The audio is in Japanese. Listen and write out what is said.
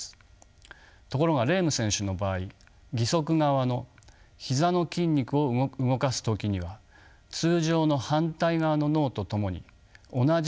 ところがレーム選手の場合義足側の膝の筋肉を動かす時には通常の反対側の脳と共に同じ側の脳